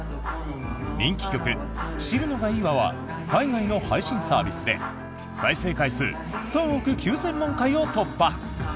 人気曲「死ぬのがいいわ」は海外の配信サービスで再生回数３億９０００万回を突破。